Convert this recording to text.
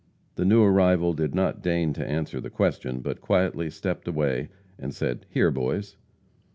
The new arrival did not deign to answer the question, but quietly stepped away, and said: "Here, boys."